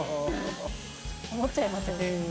思っちゃいますよね。